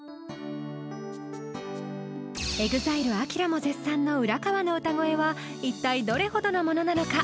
ＥＸＩＬＥＡＫＩＲＡも絶賛の浦川の歌声は一体どれほどのものなのか？